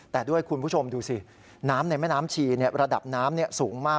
แต่ด้วยคุณผู้ชมดูสิน้ำในแม่น้ำชีระดับน้ำสูงมาก